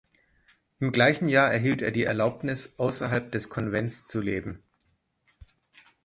Im gleichen Jahr erhielt er die Erlaubnis, außerhalb des Konvents zu leben.